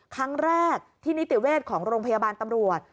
ครั้งแรกที่นิติเวชของโรงพยาบาลตำรวจ